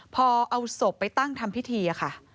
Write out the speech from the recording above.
พอเอาศพไปตั้งทำพิธีค่ะ